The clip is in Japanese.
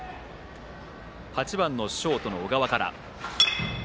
８番ショート、小川から。